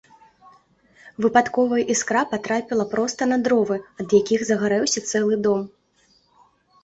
Выпадковая іскра патрапіла проста на дровы, ад якіх загарэўся цэлы дом.